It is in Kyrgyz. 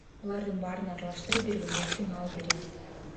Булардын баарын аралаштырып, бир күндө эки маал берет.